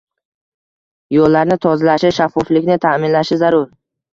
yo‘llarni tozalashi, shaffoflikni taʼminlashi zarur.